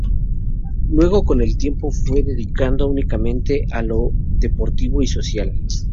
Luego con el tiempo fue dedicando únicamente a lo deportivo y social.